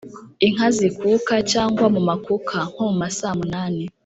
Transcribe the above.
Inka zikuka cyangwa mu makuka (nko mu masaa munani)